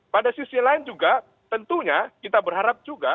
pada sisi lain juga tentunya kita berharap juga